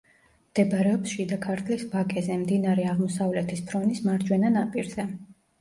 მდებარეობს შიდა ქართლის ვაკეზე, მდინარე აღმოსავლეთის ფრონის მარჯვენა ნაპირზე.